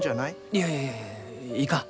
いやいやいやいかん。